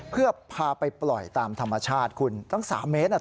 เพื่อพาไปปล่อยตามธรรมชาติคุณตั้ง๓เมตรตัวใหญ่มาก